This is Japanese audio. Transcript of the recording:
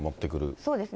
そうですね。